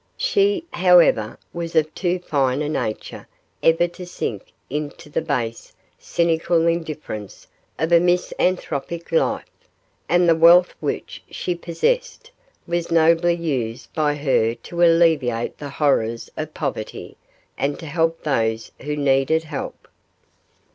She, however, was of too fine a nature ever to sink into the base, cynical indifference of a misanthropic life, and the wealth which she possessed was nobly used by her to alleviate the horrors of poverty and to help those who needed help.